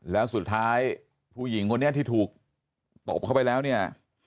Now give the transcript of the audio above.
แล้วสุดท้ายผู้หญิงคนนี้ที่ถูกตบเข้าไปแล้วเนี่ย